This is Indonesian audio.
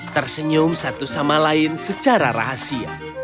tersenyum satu sama lain secara rahasia